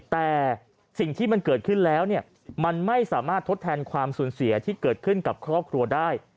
แต่สิ่งที่มันเกิดขึ้นแล้วมันไม่สามารถทดแทนความสูญเสียที่เกิดขึ้นกับครอบครัวได้